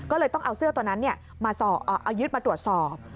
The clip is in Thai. ก็เลยต้องเอาเสื้อตัวนั้นเอายึดมาตรวจสอบ